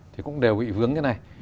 thì cũng đều bị vướng cái này